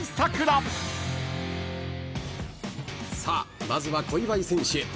さあまずは小祝選手